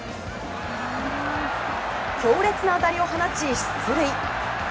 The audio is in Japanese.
強烈な当たりを放ち出塁。